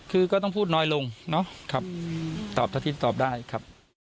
คือก็ต้องพูดน้อยลงเนาะครับตอบเท่าที่ตอบได้ครับ